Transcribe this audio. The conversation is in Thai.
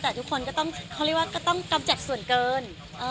แต่ทุกคนก็ต้องเขาเรียกว่าก็ต้องกำจัดส่วนเกิน